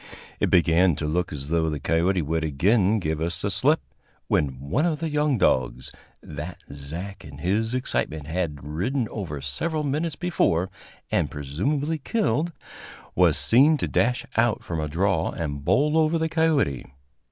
It began to look as though the coyote would again give us the slip, when one of the young dogs, that Zach in his excitement had ridden over several minutes before and presumably killed, was seen to dash out from a draw and bowl over the coyote.